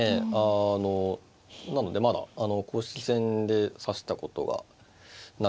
あのなのでまだ公式戦で指したことがないんですよね。